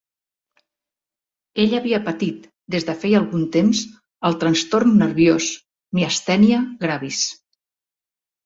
Ell havia patit, des de feia algun temps, el trastorn nerviós, miastènia gravis.